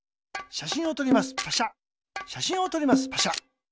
しゃしんをとります。